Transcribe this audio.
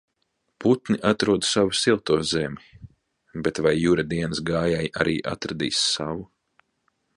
Putni atrod savu silto zemi, bet vai Jura dienas gājēji arī atradīs savu?